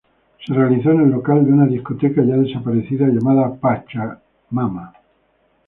Se realizó en el local de una discoteca ya desaparecida llamada Pachamama.